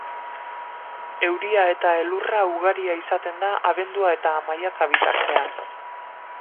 Euria eta elurra ugaria izaten da abendua eta maiatza bitartean.